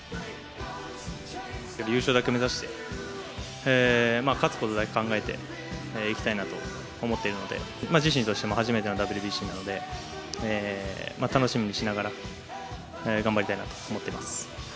優勝だけ目指して、勝つことだけ考えていきたいなと思っているので、自身としても初めてのＷＢＣなので楽しみにしながら頑張りたいなと思っています。